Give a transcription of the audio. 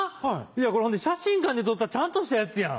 これほんで写真館で撮ったちゃんとしたやつやん。